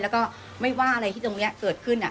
แล้วก็ไม่ว่าอะไรที่ตรงนี้เกิดขึ้น